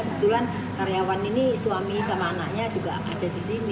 kebetulan karyawan ini suami sama anaknya juga ada di sini